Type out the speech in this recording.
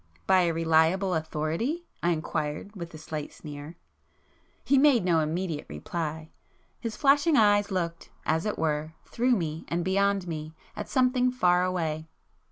"By a reliable authority?" I inquired with a slight sneer. He made no immediate reply. His flashing eyes looked, as it were, through me and beyond me at something far away.